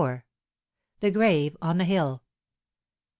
THE GRAVE ON THE HILL.